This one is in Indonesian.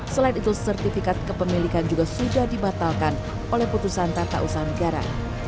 selain itu sertifikat kepemilikan juga sudah dibatalkan oleh putusan tata usaha negara